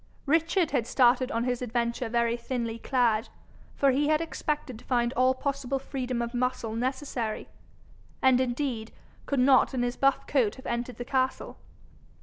Richard had started on his adventure very thinly clad, for he had expected to find all possible freedom of muscle necessary, and indeed could not in his buff coat have entered the castle.